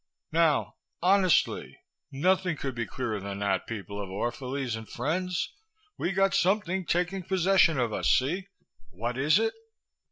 Now, honestly, nothing could be clearer than that, people of Orphalese and friends! We got something taking possession of us, see? What is it?